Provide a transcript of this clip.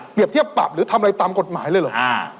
เทียบปรับหรือทำอะไรตามกฎหมายเลยเหรอ